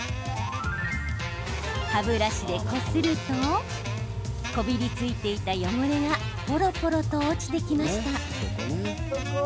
歯ブラシでこするとこびりついていた汚れがぽろぽろと落ちてきました。